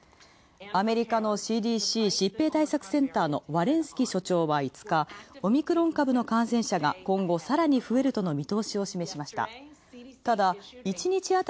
アメリカのＣＤＣ＝疾病対策センターのワレンスキ所長は５日、オミクロン株の感染者が今後されに増えるとの見通しを示した。